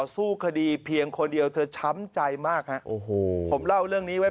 สู้คดีเพียงคนเดียวเธอช้ำใจมากฮะโอ้โหผมเล่าเรื่องนี้ไว้